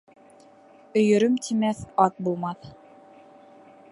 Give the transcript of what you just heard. Өйөрөм тимәҫ ат булмаҫ.